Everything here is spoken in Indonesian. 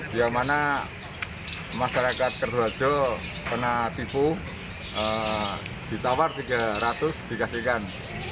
di mana masyarakat kedua jho pernah tipu ditawar rp tiga ratus dikasihkan